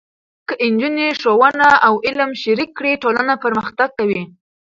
که نجونې ښوونه او علم شریک کړي، ټولنه پرمختګ کوي.